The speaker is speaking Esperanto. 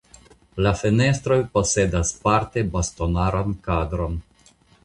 La fenestroj posedas parte bastonaran kadron.